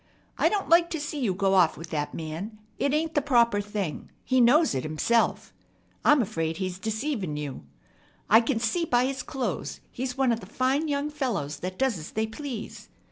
I don't like to see you go off with that man. It ain't the proper thing. He knows it himself. I'm afraid he's deceivin' you. I can see by his clo'es he's one of the fine young fellows that does as they please.